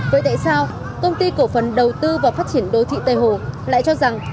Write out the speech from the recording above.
với tại sao công ty cổ phần đầu tư vào phát triển đô thị tây hồ lại cho rằng